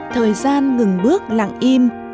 thời gian ngừng bước lặng im